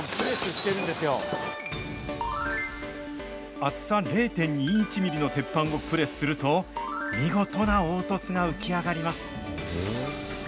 厚さ０．２１ミリの鉄板をプレスすると、見事な凹凸が浮き上がります。